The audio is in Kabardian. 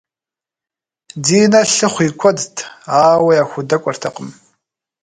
Динэ лъыхъу и куэдт, ауэ яхудэкӏуэртэкъым.